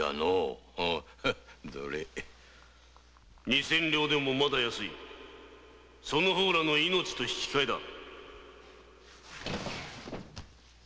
・二千両でもまだ安いその方らの命と引き換えだ。